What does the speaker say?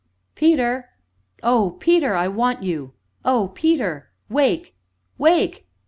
Peter! oh, Peter, I want you! oh, Peter! wake! wake!"